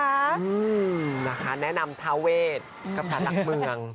อืมนะคะแนะนำทาเวทกับสารหลักเมือง